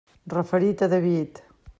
Referit a David.